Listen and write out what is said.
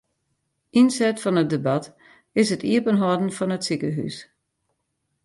Ynset fan it debat is it iepenhâlden fan it sikehús.